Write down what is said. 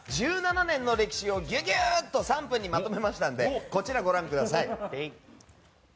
１７年の歴史をギュギュっと３分にまとめましたのでご覧ください。